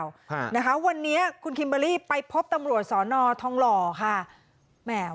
วันนี้คุณคิมเบอรี่ไปพบตำรวจสอนอทองหล่อค่ะ